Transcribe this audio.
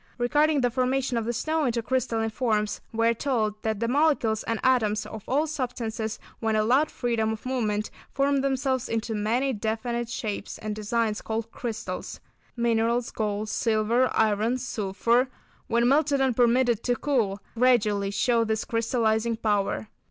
Regarding the formation of the snow into crystalline forms, we are told that the molecules and atoms of all substances when allowed freedom of movement, form themselves into many definite shapes and designs called crystals. Minerals, gold, silver, iron, sulphur, when melted and permitted to cool, gradually show this crystallising power.